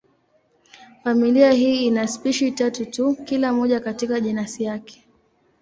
Familia hii ina spishi tatu tu, kila moja katika jenasi yake.